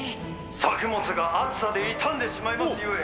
「作物が暑さで傷んでしまいます故